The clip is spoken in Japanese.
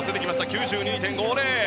９２．５０！